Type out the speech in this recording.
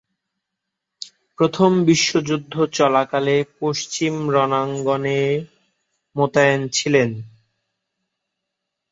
প্রথম বিশ্বযুদ্ধ চলাকালে পশ্চিম রণাঙ্গনে মোতায়েন ছিলেন।